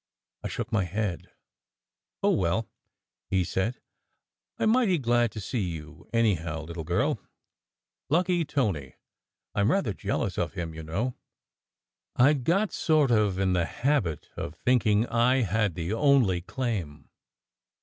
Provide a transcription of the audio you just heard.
I shook my head. "Oh, well," he said, "I m mighty glad to see you, any how, little girl. Lucky Tony! I m rather jealous of him, you know. I d got sort of in the habit of thinking I had the only claim."